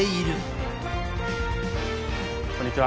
こんにちは。